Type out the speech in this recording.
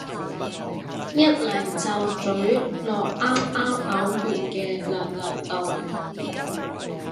一嚟就咀落啱啱嘔完嘅娘娘度